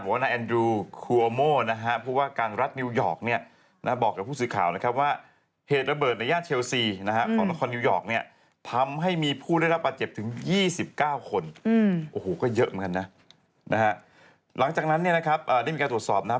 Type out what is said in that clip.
แล้วมาทำฉาก่อนอ๋อในกรอบเกี่ยวกันประหลาดอ่อยนะครับ